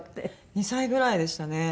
２歳ぐらいでしたね。